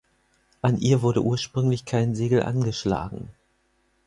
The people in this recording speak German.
An ihr wurde ursprünglich kein Segel angeschlagen.